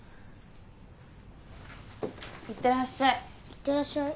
いってらっしゃい。